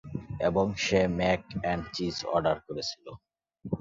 এবং সে mac and cheese order করেছিলো।